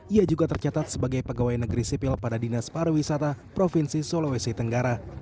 ia juga tercatat sebagai pegawai negeri sipil pada dinas pariwisata provinsi sulawesi tenggara